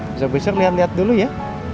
besok besok liat liat dulu ya